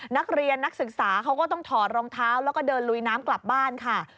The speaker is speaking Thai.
นักศึกษาเขาก็ต้องถอดรองเท้าแล้วก็เดินลุยน้ำกลับบ้านค่ะ